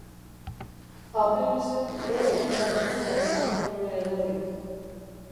Apelesek bere dendan ez zuen hain kolore ederrik.